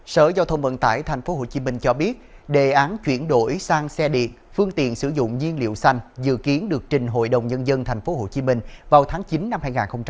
sở giao thông vận tải tp hcm cho biết đề án chuyển đổi sang xe điện phương tiện sử dụng nhiên liệu xanh dự kiến được trình hội đồng nhân dân tp hcm vào tháng chín năm hai nghìn hai mươi